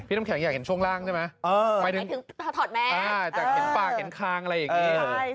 น้ำแข็งอยากเห็นช่วงล่างใช่ไหมหมายถึงถอดแมวอยากเห็นปากเห็นคางอะไรอย่างนี้